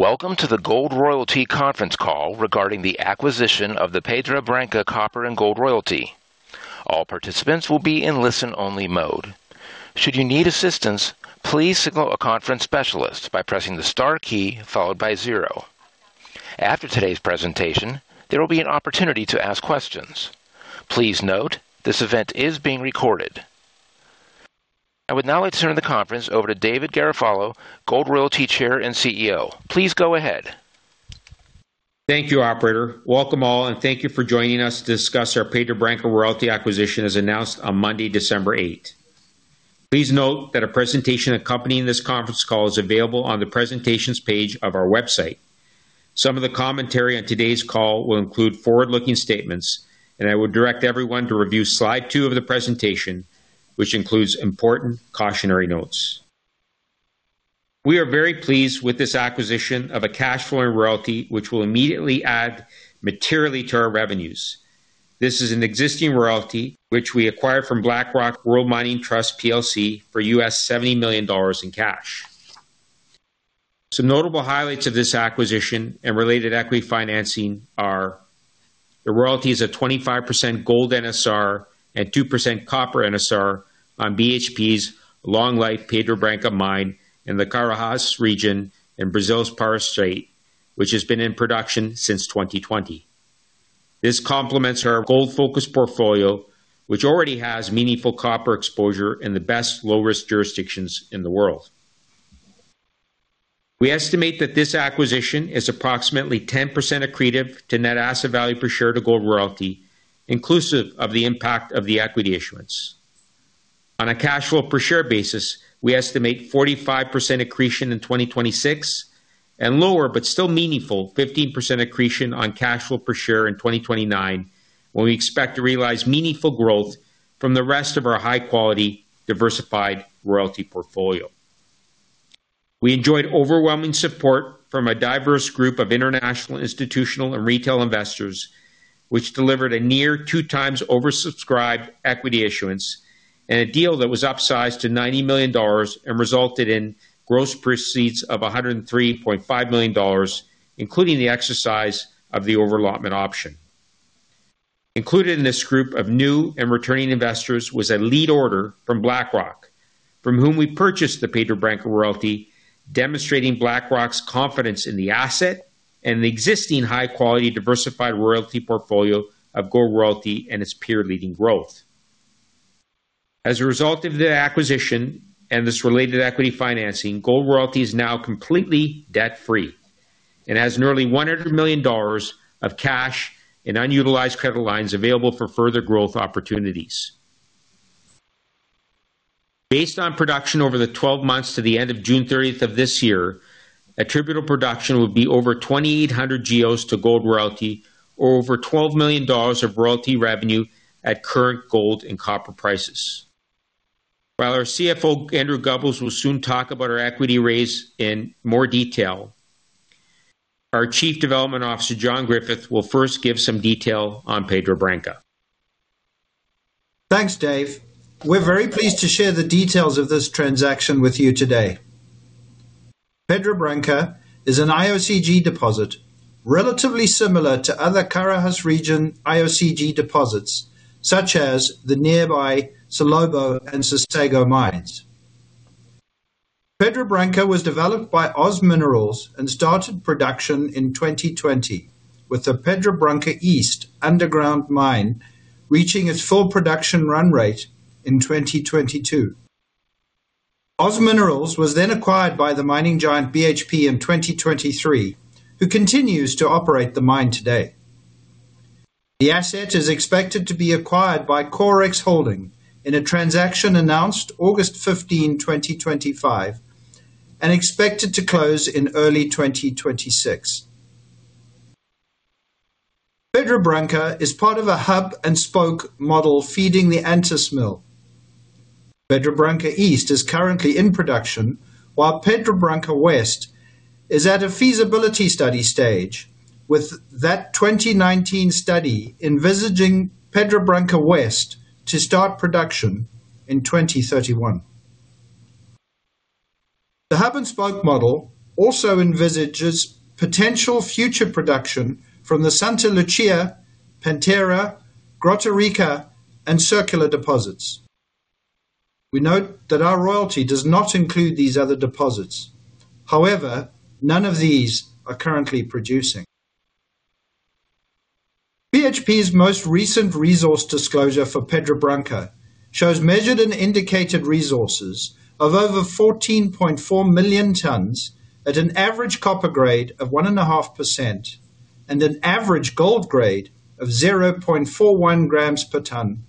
Welcome to the Gold Royalty Conference call regarding the acquisition of the Pedra Branca Copper and Gold Royalty. All participants will be in listen-only mode. Should you need assistance, please signal a conference specialist by pressing the star key followed by zero. After today's presentation, there will be an opportunity to ask questions. Please note this event is being recorded. I would now like to turn the conference over to David Garofalo, Gold Royalty Chair and CEO. Please go ahead. Thank you, Operator. Welcome all, and thank you for joining us to discuss our Pedra Branca Royalty acquisition as announced on Monday, December 8th. Please note that a presentation accompanying this conference call is available on the presentations page of our website. Some of the commentary on today's call will include forward-looking statements, and I would direct everyone to review slide two of the presentation, which includes important cautionary notes. We are very pleased with this acquisition of a cash-flowing royalty, which will immediately add materially to our revenues. This is an existing royalty, which we acquired from BlackRock World Mining Trust PLC for $70 million in cash. Some notable highlights of this acquisition and related equity financing are the royalty is a 25% gold NSR and 2% copper NSR on BHP's Long Life Pedra Branca mine in the Carajás region in Brazil's Pará state, which has been in production since 2020. This complements our gold-focused portfolio, which already has meaningful copper exposure in the best low-risk jurisdictions in the world. We estimate that this acquisition is approximately 10% accretive to net asset value per share to Gold Royalty, inclusive of the impact of the equity issuance. On a cash-flow per share basis, we estimate 45% accretion in 2026 and lower, but still meaningful, 15% accretion on cash-flow per share in 2029, when we expect to realize meaningful growth from the rest of our high-quality, diversified royalty portfolio. We enjoyed overwhelming support from a diverse group of international, institutional, and retail investors, which delivered a near two-times oversubscribed equity issuance and a deal that was upsized to $90 million and resulted in gross proceeds of $103.5 million, including the exercise of the overallotment option. Included in this group of new and returning investors was a lead order from BlackRock, from whom we purchased the Pedra Branca royalty, demonstrating BlackRock's confidence in the asset and the existing high-quality, diversified royalty portfolio of Gold Royalty and its peer-leading growth. As a result of the acquisition and this related equity financing, Gold Royalty is now completely debt-free and has nearly $100 million of cash and unutilized credit lines available for further growth opportunities. Based on production over the 12 months to the end of June 30th of this year, attributable production would be over 2,800 GEOs to gold royalty or over $12 million of royalty revenue at current gold and copper prices. While our CFO, Andrew Gubbels, will soon talk about our equity raise in more detail, our Chief Development Officer, John Griffith, will first give some detail on Pedra Branca. Thanks, Dave. We're very pleased to share the details of this transaction with you today. Pedra Branca is an IOCG deposit relatively similar to other Carajás region IOCG deposits, such as the nearby Salobo and Sossego mines. Pedra Branca was developed by OZ Minerals and started production in 2020, with the Pedra Branca East underground mine reaching its full production run rate in 2022. OZ Minerals was then acquired by the mining giant BHP in 2023, who continues to operate the mine today. The asset is expected to be acquired by CoreX Holding in a transaction announced August 15, 2025, and expected to close in early 2026. Pedra Branca is part of a hub-and-spoke model feeding the Antas Mill. Pedra Branca East is currently in production, while Pedra Branca West is at a feasibility study stage, with that 2019 study envisaging Pedra Branca West to start production in 2031. The hub-and-spoke model also envisages potential future production from the Santa Lúcia, Pantera, Grota Rica, and Circular deposits. We note that our royalty does not include these other deposits. However, none of these are currently producing. BHP's most recent resource disclosure for Pedra Branca shows measured and indicated resources of over 14.4 million tons at an average copper grade of 1.5% and an average gold grade of 0.41 grams per ton,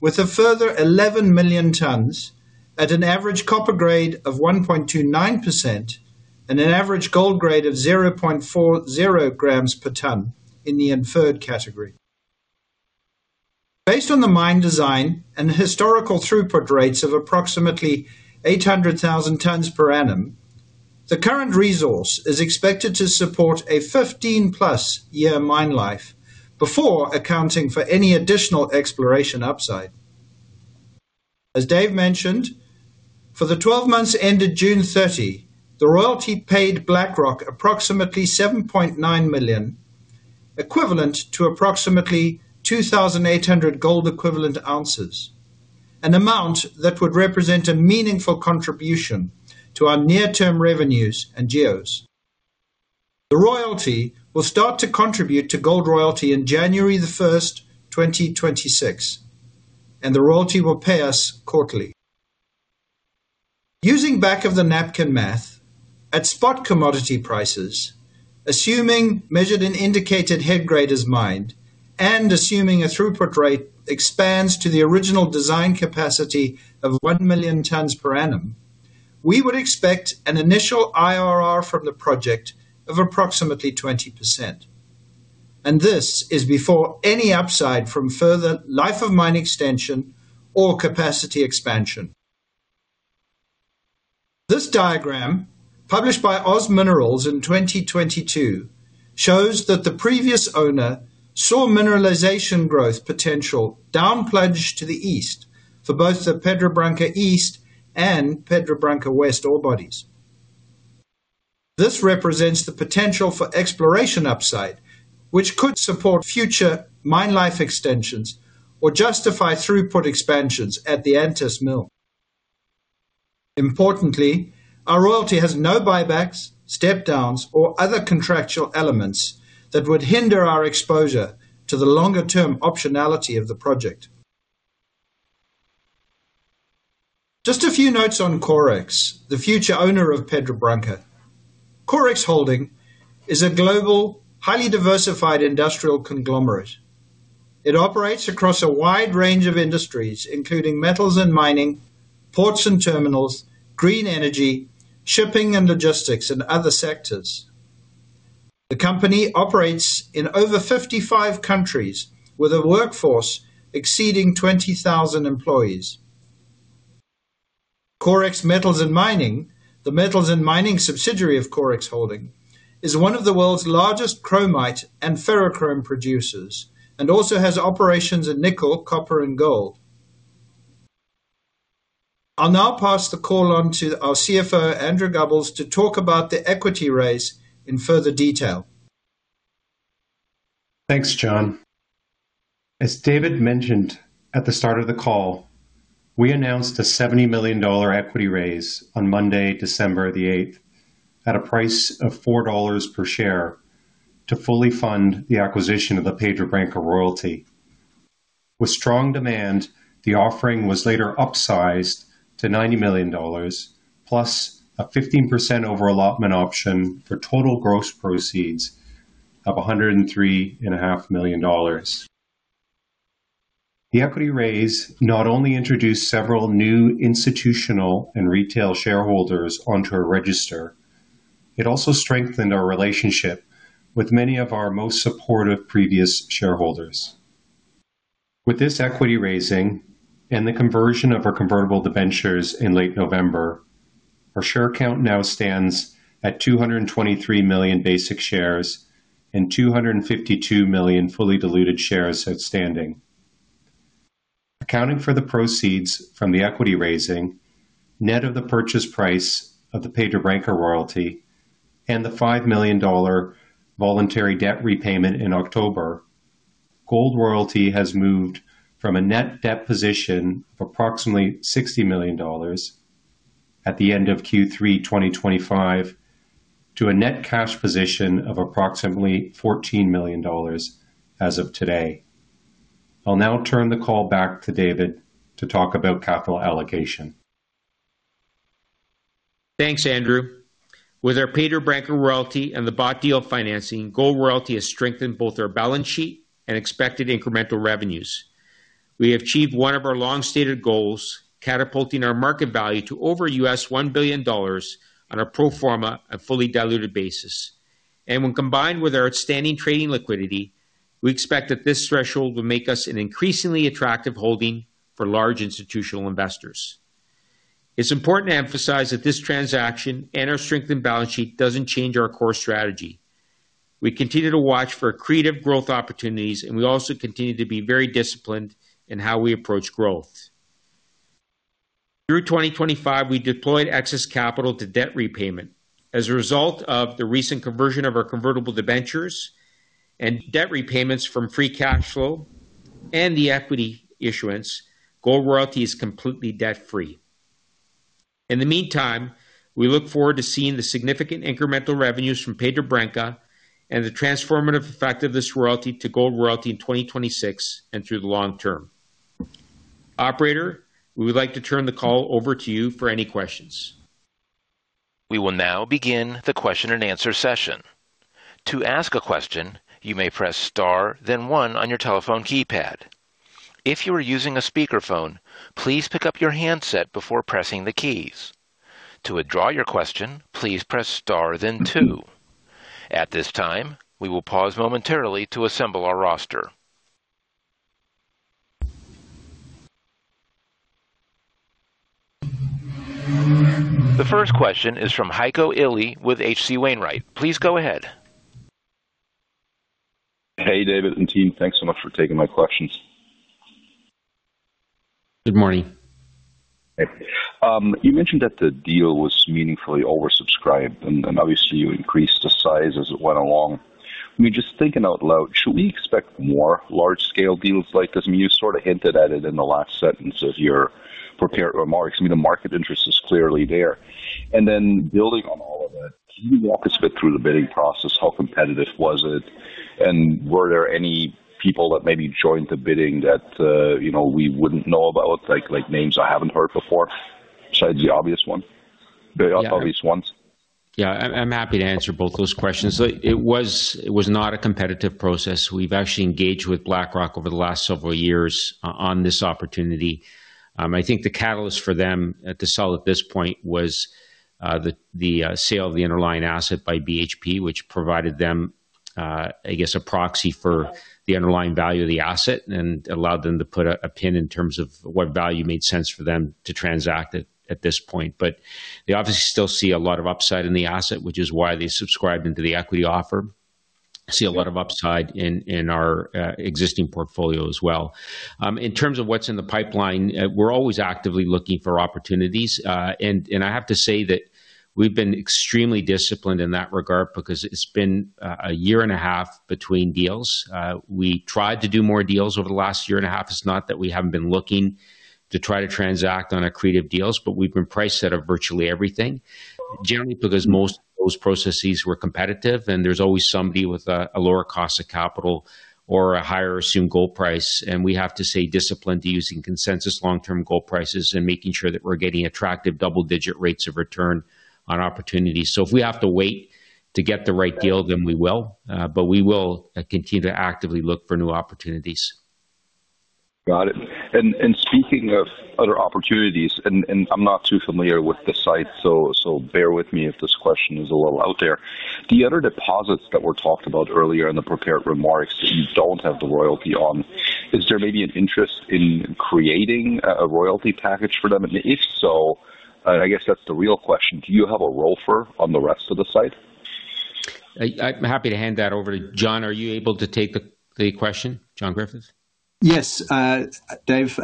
with a further 11 million tons at an average copper grade of 1.29% and an average gold grade of 0.40 grams per ton in the inferred category. Based on the mine design and historical throughput rates of approximately 800,000 tons per annum, the current resource is expected to support a 15+ year mine life before accounting for any additional exploration upside. As Dave mentioned, for the 12 months ended June 30, the royalty paid BlackRock approximately $7.9 million, equivalent to approximately 2,800 gold-equivalent ounces, an amount that would represent a meaningful contribution to our near-term revenues and GOs. The royalty will start to contribute to gold royalty on January the 1st, 2026, and the royalty will pay us quarterly. Using back-of-the-napkin math, at spot commodity prices, assuming measured and indicated head grade is mined and assuming a throughput rate expands to the original design capacity of 1 million tons per annum, we would expect an initial IRR from the project of approximately 20%. This is before any upside from further life of mine extension or capacity expansion. This diagram, published by OZ Minerals in 2022, shows that the previous owner saw mineralization growth potential downplunged to the east for both the Pedra Branca East and Pedra Branca West ore bodies. This represents the potential for exploration upside, which could support future mine life extensions or justify throughput expansions at the Antas Mill. Importantly, our royalty has no buybacks, step-downs, or other contractual elements that would hinder our exposure to the longer-term optionality of the project. Just a few notes on CoreX, the future owner of Pedra Branca. CoreX Holding is a global, highly diversified industrial conglomerate. It operates across a wide range of industries, including metals and mining, ports and terminals, green energy, shipping and logistics, and other sectors. The company operates in over 55 countries, with a workforce exceeding 20,000 employees. CoreX Metals and Mining, the metals and mining subsidiary of CoreX Holding, is one of the world's largest chromite and ferrochrome producers and also has operations in nickel, copper, and gold. I'll now pass the call on to our CFO, Andrew Gubbels, to talk about the equity raise in further detail. Thanks, John. As David mentioned at the start of the call, we announced a $70 million equity raise on Monday, December the 8th, at a price of $4 per share to fully fund the acquisition of the Pedra Branca Royalty. With strong demand, the offering was later upsized to $90 million, plus a 15% overallotment option for total gross proceeds of $103.5 million. The equity raise not only introduced several new institutional and retail shareholders onto our register, it also strengthened our relationship with many of our most supportive previous shareholders. With this equity raising and the conversion of our convertible debentures in late November, our share count now stands at 223 million basic shares and 252 million fully diluted shares outstanding. Accounting for the proceeds from the equity raising, net of the purchase price of the Pedra Branca royalty, and the $5 million voluntary debt repayment in October, Gold Royalty has moved from a net debt position of approximately $60 million at the end of Q3 2025 to a net cash position of approximately $14 million as of today. I'll now turn the call back to David to talk about capital allocation. Thanks, Andrew. With our Pedra Branca Royalty and the bought deal financing, Gold Royalty has strengthened both our balance sheet and expected incremental revenues. We have achieved one of our long-stated goals, catapulting our market value to over $1 billion on a pro forma and fully diluted basis. And when combined with our outstanding trading liquidity, we expect that this threshold will make us an increasingly attractive holding for large institutional investors. It's important to emphasize that this transaction and our strengthened balance sheet doesn't change our core strategy. We continue to watch for accretive growth opportunities, and we also continue to be very disciplined in how we approach growth. Through 2025, we deployed excess capital to debt repayment. As a result of the recent conversion of our convertible debentures and debt repayments from free cash flow and the equity issuance, Gold Royalty is completely debt-free. In the meantime, we look forward to seeing the significant incremental revenues from Pedra Branca and the transformative effect of this royalty to Gold Royalty in 2026 and through the long term. Operator, we would like to turn the call over to you for any questions. We will now begin the question and answer session. To ask a question, you may press star, then one on your telephone keypad. If you are using a speakerphone, please pick up your handset before pressing the keys. To withdraw your question, please press star, then two. At this time, we will pause momentarily to assemble our roster. The first question is from Heiko Ihle with H.C. Wainwright. Please go ahead. Hey, David and team. Thanks so much for taking my questions. Good morning. Okay. You mentioned that the deal was meaningfully oversubscribed, and obviously, you increased the size as it went along. When you're just thinking out loud, should we expect more large-scale deals like this? I mean, you sort of hinted at it in the last sentence of your prepared remarks. I mean, the market interest is clearly there. And then building on all of that, can you walk us a bit through the bidding process? How competitive was it? And were there any people that maybe joined the bidding that we wouldn't know about, like names I haven't heard before, besides the obvious ones? Yeah. I'm happy to answer both those questions. It was not a competitive process. We've actually engaged with BlackRock over the last several years on this opportunity. I think the catalyst for them to sell at this point was the sale of the underlying asset by BHP, which provided them, I guess, a proxy for the underlying value of the asset and allowed them to put a pin in terms of what value made sense for them to transact at this point. But they obviously still see a lot of upside in the asset, which is why they subscribed into the equity offer. See a lot of upside in our existing portfolio as well. In terms of what's in the pipeline, we're always actively looking for opportunities, and I have to say that we've been extremely disciplined in that regard because it's been a year and a half between deals. We tried to do more deals over the last year and a half. It's not that we haven't been looking to try to transact on accretive deals, but we've been priced at virtually everything, generally because most of those processes were competitive, and there's always somebody with a lower cost of capital or a higher assumed gold price. And we have to stay disciplined using consensus long-term gold prices and making sure that we're getting attractive double-digit rates of return on opportunities. So if we have to wait to get the right deal, then we will, but we will continue to actively look for new opportunities. Got it, and speaking of other opportunities, and I'm not too familiar with the site, so bear with me if this question is a little out there. The other deposits that were talked about earlier in the prepared remarks that you don't have the royalty on, is there maybe an interest in creating a royalty package for them? And if so, I guess that's the real question. Do you have a ROFR on the rest of the site? I'm happy to hand that over to John. Are you able to take the question, John Griffith? Yes, Dave.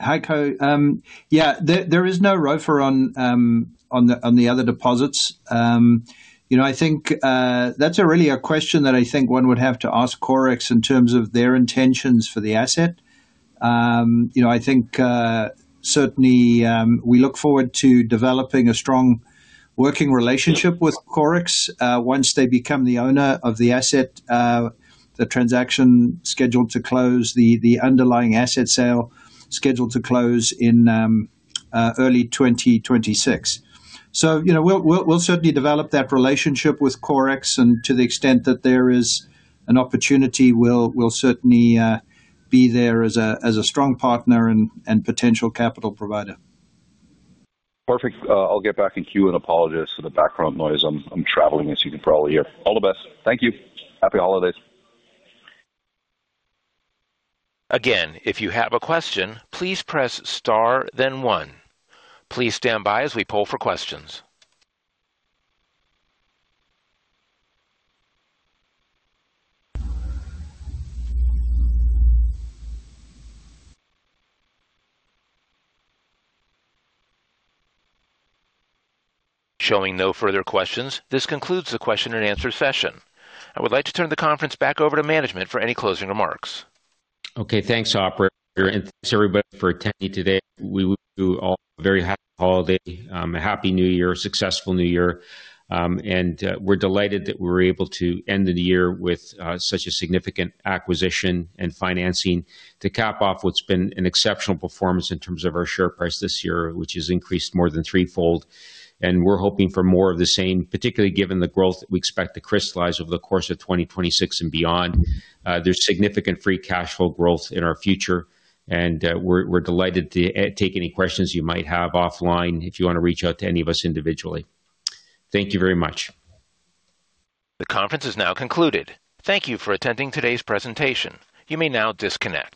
Heiko, yeah, there is no ROFR on the other deposits. I think that's really a question that I think one would have to ask CoreX in terms of their intentions for the asset. I think certainly we look forward to developing a strong working relationship with CoreX once they become the owner of the asset, the transaction scheduled to close, the underlying asset sale scheduled to close in early 2026. So we'll certainly develop that relationship with CoreX, and to the extent that there is an opportunity, we'll certainly be there as a strong partner and potential capital provider. Perfect. I'll get back in queue and apologize for the background noise. I'm traveling, as you can probably hear. All the best. Thank you. Happy holidays. Again, if you have a question, please press star, then one. Please stand by as we poll for questions. Showing no further questions, this concludes the question and answer session. I would like to turn the conference back over to management for any closing remarks. Okay. Thanks, Operator, and thanks everybody for attending today. We wish you all a very happy holiday, a happy New Year, a successful New Year. And we're delighted that we were able to end the year with such a significant acquisition and financing to cap off what's been an exceptional performance in terms of our share price this year, which has increased more than threefold. And we're hoping for more of the same, particularly given the growth we expect to crystallize over the course of 2026 and beyond. There's significant free cash flow growth in our future, and we're delighted to take any questions you might have offline if you want to reach out to any of us individually. Thank you very much. The conference is now concluded. Thank you for attending today's presentation. You may now disconnect.